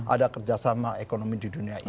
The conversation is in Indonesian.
ada kerjasama ekonomi di dunia ini